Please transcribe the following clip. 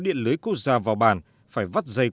điện lưới cốt ra vào bản phải vắt dây